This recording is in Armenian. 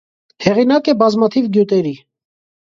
Հեղինակ է բազմաթիվ գյուտերի։